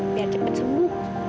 biar cepet sembuh